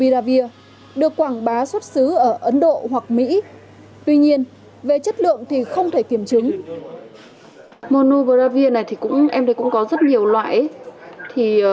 dạ đúng rồi đúng rồi chị